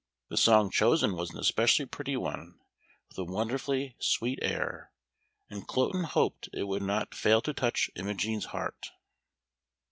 The song chosen was an especially pretty one, with a wonderfully sweet air, and Cloten hoped it would not fail to touch Imogen's heart.